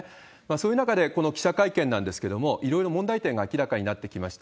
そういう中で、この記者会見なんですけれども、いろいろ問題点が明らかになってきました。